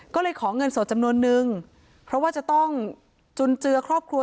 ก็เลยขอเงินสดจำนวนนึงเพราะว่าจะต้องจุนเจือครอบครัว